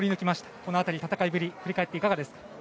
この辺り、戦いぶり振り返っていかがですか。